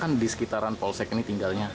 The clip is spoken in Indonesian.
kan di sekitaran polsek ini tinggalnya